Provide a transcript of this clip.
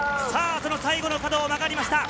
最後の角を曲がりました。